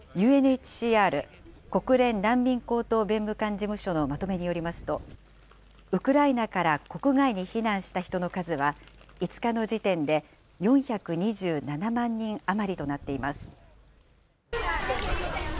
ＵＮＨＣＲ・国連難民高等弁務官事務所のまとめによりますと、ウクライナから国外に避難した人の数は、５日の時点で４２７万人余りとなっています。